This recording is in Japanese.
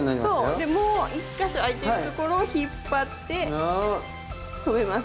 でもう一か所あいてるところを引っ張って留めます。